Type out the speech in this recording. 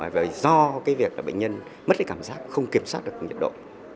bởi do cái việc là bệnh nhân mất cái cảm giác không kiểm soát được nhiệt độ